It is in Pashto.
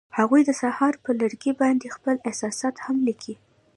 هغوی د سهار پر لرګي باندې خپل احساسات هم لیکل.